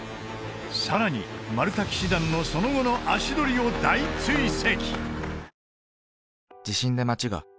さらにマルタ騎士団のその後の足取りを大追跡！